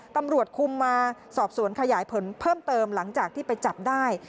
ตำรวจคุมมาสอบสวนขยายผลเพิ่มเติมหลังจากที่ไปจับได้